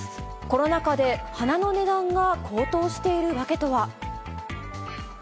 コロナ禍で花の値段が高騰している訳とは。